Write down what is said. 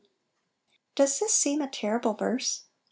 DOES this seem a terrible verse?